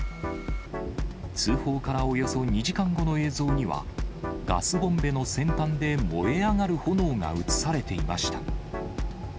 通報からおよそ２時間後の映像には、ガスボンベの先端で燃え上がる炎が映されていました。